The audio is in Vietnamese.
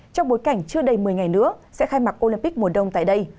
trong bối cảnh chưa đầy một mươi ngày nữa sẽ khai mạc olympic mùa đông tại đây